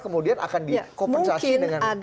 kemudian akan dikompensasi dengan bahas ya